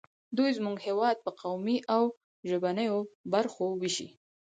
دوی زموږ هېواد په قومي او ژبنیو برخو ویشي